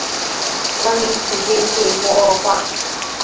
农民处境进一步恶化。